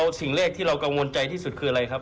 แล้วตอนนี้สิ่งเลขที่เรากังวลใจที่สุดคืออะไรครับ